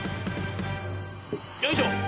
よいしょ！